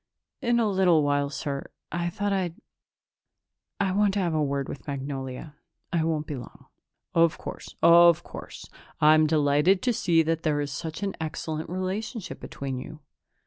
"In a little while, sir. I thought I'd I wanted to have a word with Magnolia. I won't be long." "Of course, of course. I'm delighted to see that there is such an excellent relationship between you....